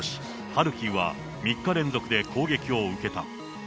ハルキウは、３日連続で攻撃を受けた。